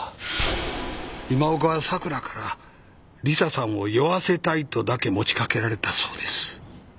今岡は桜からリサさんを酔わせたいとだけ持ち掛けられたそうです。